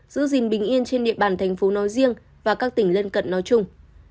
giữ gìn bình yên trên địa bàn thành phố nói riêng và các tỉnh lân cận nói chung